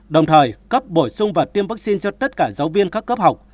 đồng thời cấp bổ sung và tiêm vaccine cho tất cả giáo viên các cấp học